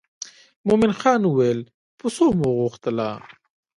مومن خان وویل په څو مو وغوښتله.